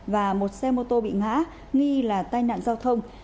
và một xe mô tô bị ngã nghi là tai nạn giao thông